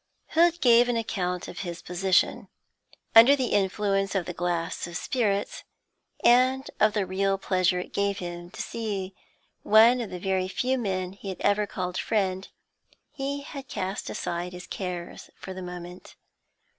Hood gave an account of his position. Under the influence of the glass of spirits, and of the real pleasure it gave him to see one of the very few men he had ever called friend, he had cast aside his cares for the moment.